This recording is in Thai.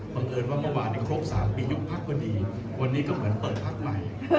บังเอิญว่าเมื่อวานที่ครบสามปียุคพรรคก็ดีวันนี้ก็เหมือนเปิดพรรคใหม่